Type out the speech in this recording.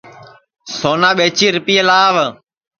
سونا ٻیچی رِپئے لاو